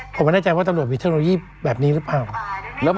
ผมไม่แน่ใจว่าตำรวจมีเทคโนโลยีแบบนี้หรือเปล่า